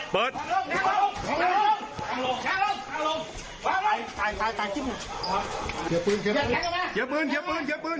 เปิดประตูไปเปิดประตูเข้ากลับข้างลง